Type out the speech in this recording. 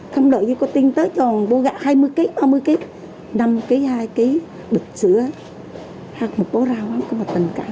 không đợi gì cô tinh tới cho một bô gạo hai mươi kg ba mươi kg năm kg hai kg bịch sữa hoặc một bố rau không có mà tình cảm